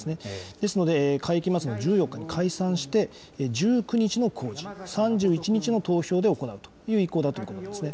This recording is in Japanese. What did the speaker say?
ですので、会期末の１４日に解散して、１９日の公示、３１日の投票で行うという意向だと思いますね。